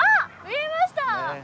見えました！